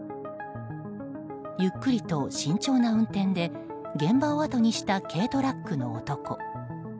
ゆっくりと慎重な運転で現場をあとにした軽トラックの男。